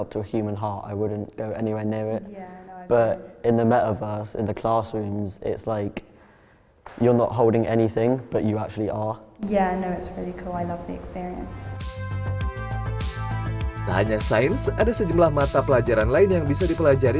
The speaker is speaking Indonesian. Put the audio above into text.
tak hanya sains ada sejumlah mata pelajaran lain yang bisa dipelajari